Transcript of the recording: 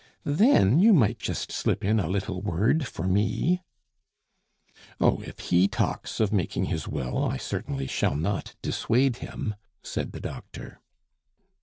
Then you might just slip in a little word for me " "Oh, if he talks of making his will, I certainly shall not dissuade him," said the doctor.